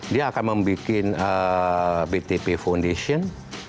dia akan membuat btp foundation